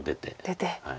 出て。